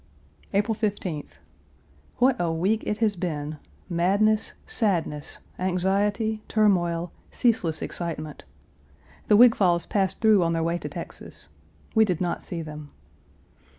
April 15th. What a week it has been madness, sadness, anxiety, turmoil, ceaseless excitement. The Wigfalls passed through on their way to Texas. We did not see them.